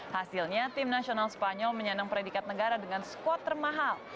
hasilnya tim nasional spanyol menyandang predikat negara dengan squad termahal